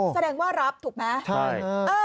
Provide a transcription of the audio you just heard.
แสดงว่ารับถูกไหม